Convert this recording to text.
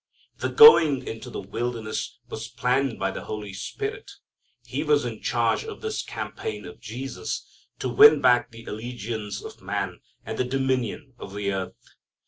The going into the wilderness was planned by the Holy Spirit. He was in charge of this campaign of Jesus to win back the allegiance of man and the dominion of the earth.